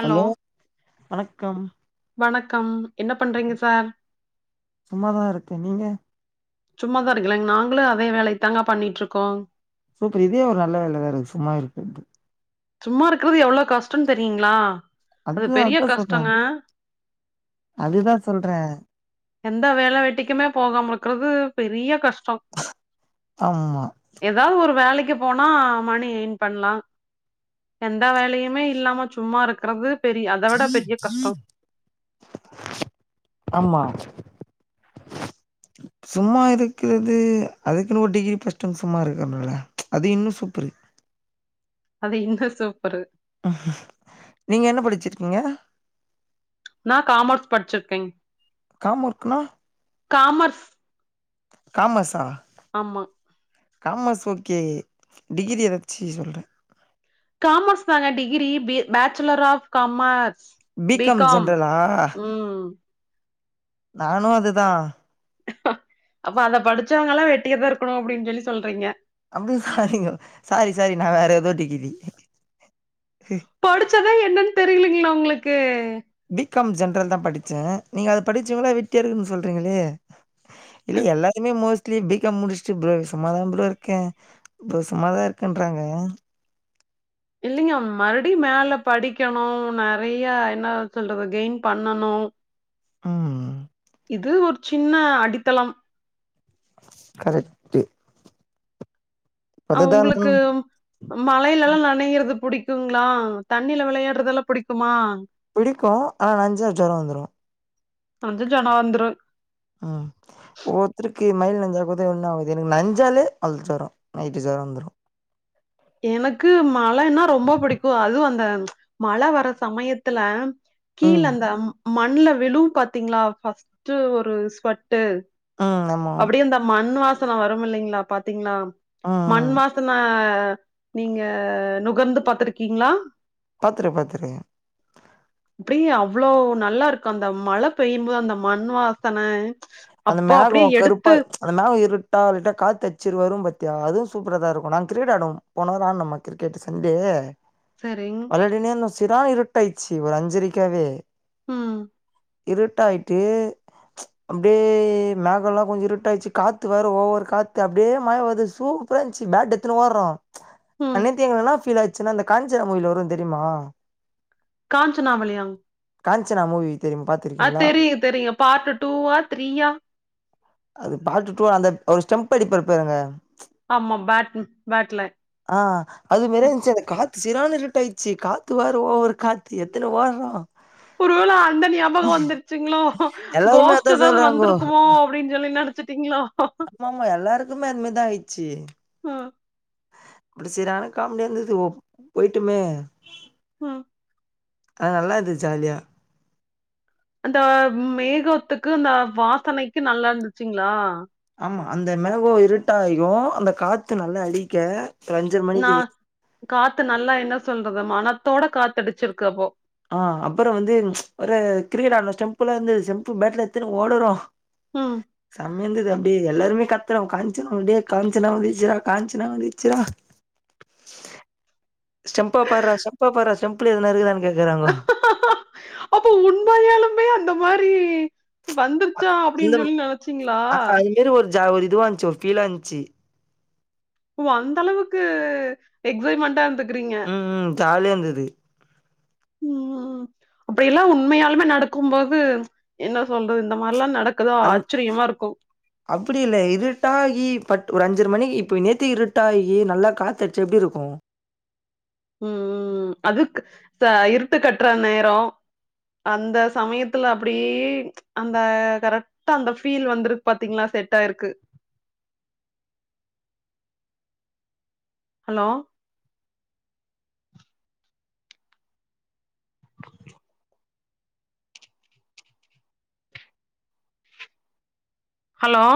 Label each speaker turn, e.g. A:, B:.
A: Hello வணக்கம்
B: வணக்கம் என்ன பண்றீங்க சார்
A: சும்மாதா இருக்க நீங்க
B: சும்மா தா இருக்கலா நாங்களு அதே வேலை தாங்க பண்ணிட்டுருக்கோ
A: சூப்பர் இதே ஒரு நல்ல வேல தா சும்மா இருக்கற்து
B: சும்மா இருக்கறது எவ்ளோ கஷ்டோன்னு தெரியுங்களா அது
A: அதுதா
B: பெரிய
A: அதா சொல்ற
B: கஷ்டங்க
A: அதுதா சொல்ற
B: எந்த வேல வெட்டிக்குமே போகாம இருக்கிறது பெரிய கஷ்டொ
A: ஆம்மா
B: ஏதாவது ஒரு வேலைக்குப் போனா மணி ஏர்ன் பண்ணலா எந்த வேலையுமே இல்லாம சும்மா இருக்குறது
A: ஆமா [inaudible] சும்மா இருக்குறது அதுக்குன்னு ஒரு டிகிரி பஸ்ட்டம் சும்மா இருக்கனுல்ல அது இன்னு சூப்பரு
B: அது இன்னு சூப்பரு
A: நீங்க என்ன படிச்சிருக்கீங்க
B: நா காமர்ஸ் படிச்சிருக்கேன்ங்
A: காமர்க்னா
B: காமர்ஸ்
A: காமர்ஸா
B: ஆமா
A: காமர்ஸ் ஓகே டிகிரி ஏதாச்சு சொல்றே
B: காமர்ஸ் தாங்க degree B A bachelor of commerce
A: B com ஜென்ரலா
B: ம்
A: நானு அது தா
B: அப்போ அதப் படிச்சவங்க எல்லா வெட்டியாதா இருக்கணு அப்பிடின்னு சொல்லி சொல்றீங்க
A: அப்டி சாரிங்கோ சாரி சாரி நா வேற எதோ டிகிரி
B: படிச்சதே என்னன்னு தெரியலீங்களா உங்களுக்கு
A: பி காம் ஜென்ரல் தா படிச்சே நீங்க அதப் படிச்சவங்கல்லா வெட்டியா இருக்குன்னு சொல்றீங்களே இல்ல எல்லாருமே மோஸ்ட்லி பி காம் முடிச்சுட்டு ப்ரோ சும்மாதா ப்ரோ இருக்கே ப்ரோ சும்மாதா இருக்கேன்றாங்க
B: இல்லங்க மறுபடியு மேல படிக்கணு நெறைய என்ன சொல்றது கெயின் பண்ணணு
A: ம்
B: இது ஒரு சின்ன அடித்தளம்
A: கரெக்ட்
B: அ
A: அதுதான்
B: உங்களுக்கு மழையில எல்லா நனையறது புடிக்குங்களா தண்ணில விளையாடுறதுல்லா புடிக்குமா
A: பிடிக்கு ஆனா நனஞ்சா ஜொர வந்துரு
B: அச்சச்சோ நா வந்துரு
A: ம் ஒவ்வொருத்தருக்கு மைல் நஞ்ச ஆகுதது ஒன்னு ஆகுது எனக்கு நஞ்சாலே ஜொர நைட்டு ஜொர வந்துரு
B: எனக்கு மழன்னா ரொம்ப புடிக்கு அதுவு அந்த மழ வர சமயத்துல கீழ
A: ம்.
B: அந்த மண்ல விழும் பாத்தீங்களா பஃஸ்ட்டு ஒரு ஸ்வட்டு
A: ம். ஆமா.
B: அப்படியே அந்த மண் வாசன வரு இல்லைங்களா பாத்தீங்களா
A: ம்.
B: மண்
A: ம்.
B: வா [unintelligible] நீங்க நுகர்ந்து பாத்திருக்கீங்களா
A: பாத்துருக்கே பாத்துருக்கே
B: அப்படியே அவ்வளோ நல்லா இருக்கு அந்த மழை பெய்யும் போது அந்த மண் வாசன
A: அந்த
B: அப்பா
A: மேக
B: அப்டியே
A: கருப்பா
B: எடுத்து
A: அந்த மேக இருட்டா இல்லட்டா காத்து அச்சி வரும் பாத்தியா அதுவு சூப்பரா தா இருக்கு ந நா கிரிக்கெட் ஆடுவோ போன வார ஆட்ணமா கிரிக்கெட் சண்டே
B: சரிங்
A: வல்லடினேன்னு சிரா இருட்டாய்டுச்சு ஒரு அஞ்சரிக்காவே
B: ம்
A: இருட்டாயிட்டு பே மேக எல்லா கொஞ்ச இருட்டாயிச்சு காத்து வேற ஓவர் காத்து அப்படியே மாய் வருது சூப்பரா இருந்துச்சு பேட் எடுத்துன்னு ஓட்றோ
B: ம்
A: நேத்து எங்கனனா பீல் ஆயிடுச்சுன்னா அந்த காஞ்சன மூவில வரு தெரியுமா
B: காஞ்சனா வளையா
A: காஞ்சனா மூவி தெரியும் பாத்
B: அ தெரியு தெரியு பார்ட்டு டூவா த்ரீயா
A: அது பார்ட்டு டூ அந்த ஒரு ஸ்டெம்ப் அடிப்பாரு பாருங்க
B: ஆமா ஆம் பேட் பேட்ல
A: ஆ அது வேற இருந்ச்சு அந்த காத்து சீரான இருட்டாயிர்ச்சு காத்து வற ஓவரு காத்து எத்தன வாரோ
B: ஒரு வேள அந்த ஞாபகோ வந்துருச்சுங்களோ
A: எல்லாருமே
B: கோஷ்ட்டு
A: அதான்
B: எதாவது
A: சொல்றாங்கோ.
B: வந்துருக்குமோ அப்படின் சொல்லி நெனச்சுட்டீங்களா
A: ஆமாமா எல்லாருக்குமே அதுமாரிதா ஆயிர்ச்சு
B: ம்
A: இப்படி சரியான காமெடியா இருந்தது ஓ போயிட்டுமே
B: ம்
A: அது நல்லா இருந்துச் ஜாலியா
B: அந்த மேகோத்துக்கு அந்த வாசனைக்கு நல்லா இந்துச்சுங்களா
A: ஆமா அந்த மேகோ இருட்டாயிரு அந்த காத்து நல்லா அடிக்க அஞ்சர
B: நா
A: மணிக்கு
B: காத்து நல்லா என்ன சொல்றது மனத்தோட காத்து அடிச்சிருக்கு அப்போ
A: ஆ அப்புறம் வந்து ஒரு கிரிக்கெட் ஆடுனோ ஸ்டெம்பல வந்து ஸ்டெம்ப் பேட்டலா எத்துன்னு ஓடுறோ
B: ம்
A: சமையந்தது அப்படியே எல்லாருமே கத்துறோ காஞ்சனா அப்படியே காஞ்சனா வந்துச்சிரா காஞ்சனா வந்துச்சிரா ஸ்டெம்ப பார்ரா ஸ்டெம்ப பார்ரா ஸ்டெம்ப்ல எதுனா இருக்குதான்னு கேக்குறாங்கோ
B: அப்போ உண்மைையாலுமே அந்த மாரி வந்துருச்சா அப்படின் சொல்லி நனச்சீங்களா
A: இது ஒரு ஜா ஒரு இதுவா இந்ச்சு ஒரு ஃபீலா இந்ச்சு
B: ஓ அந்த அளவுக்கு எக்ஸைட்மைன்டா இருந்து
A: ம் ம் ஜாலியா இந்துது
B: ஒ அப்படியெல்லா உண்மையாலுமே நடக்கும் போது என்ன சொல்றது இந்த மார்லா நடக் அக்குதா ஆச்சரியமா இருக்கு
A: அப்படி இல்ல இருட்டாகி பட் ஒரு அஞ்சர மணிக்கு இப்ப நேத்தி இருட்டாயி நல்லா காத்தடிச்சா எப்படி இருக்கு
B: ம் ம் ம் அதுக்கு ச இருட்டு கட்ற நேரோ அந்த சமயத்துல அப்படியே அந்த கரக்டா அந்த ஃபீல் வந்திருக் பாத்தீங்ளா செட் ஆயிருக்கு ஹலோ ஹலோ